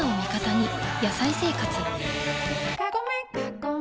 「野菜生活」